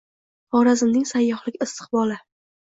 Xorazmning sayyohlik istiqboli